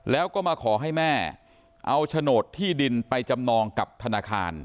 แล้วก็มาขอให้แม่เอาโฉนดที่ดินไปจำนองกับธนาคาร